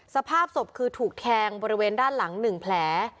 สภาพศพคือถูกแทงบริเวณด้านหลัง๑แผล